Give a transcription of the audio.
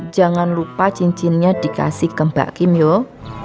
jangan lupa cincinnya dikasih ke mbak kim jong